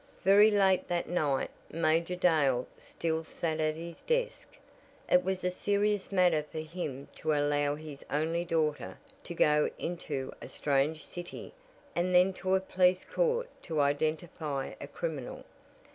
Very late that night Major Dale still sat at his desk. It was a serious matter for him to allow his only daughter to go into a strange city and then to a police court to identify a criminal.